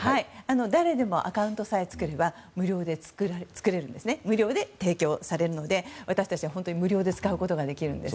誰でもアカウントさえ作れば無料で提供されるので、私たちは無料で使うことができるんです。